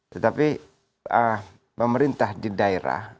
tetapi pemerintah di daerah